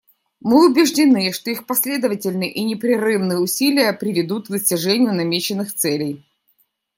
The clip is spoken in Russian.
Мы убеждены, что их последовательные и непрерывные усилия приведут к достижению намеченных целей.